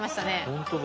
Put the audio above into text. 本当だ。